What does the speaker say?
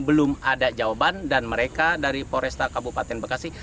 belum ada jawaban dan mereka dari poresta kabupaten bekasi